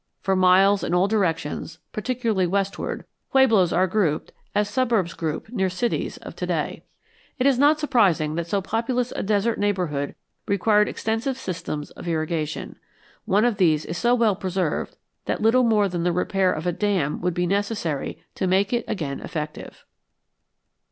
For miles in all directions, particularly westward, pueblos are grouped as suburbs group near cities of to day. It is not surprising that so populous a desert neighborhood required extensive systems of irrigation. One of these is so well preserved that little more than the repair of a dam would be necessary to make it again effective.